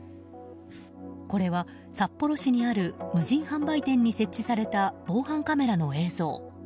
これは札幌市にある無人販売店に設置された防犯カメラの映像。